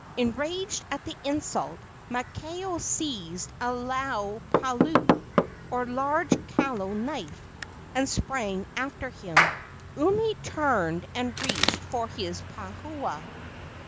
Enraged at the insult, Maakao seized a laau palau, or large kalo knife, and sprang after him. Umi turned and reached for his pahoa.